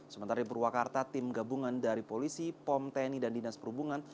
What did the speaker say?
sementara di purwakarta tim gabungan dari polisi pom tni dan dinas perhubungan